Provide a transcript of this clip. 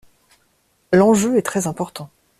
L’enjeu est très important.